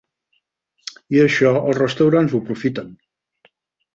I això els restaurants ho aprofiten.